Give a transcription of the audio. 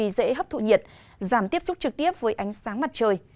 giảm tiếp xúc trực tiếp với ánh sáng mặt trời